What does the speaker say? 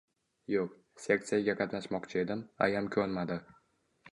— Yoʼq, sektsiyasiga qatnashmoqchi edim, ayam koʼnmadi.